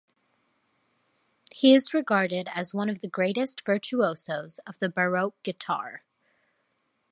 He is regarded as one of the greatest virtuosos of the Baroque guitar.